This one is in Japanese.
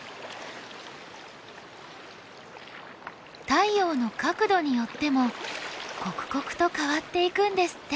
太陽の角度によっても刻々と変わっていくんですって。